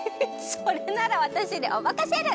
それならわたしにおまかシェル！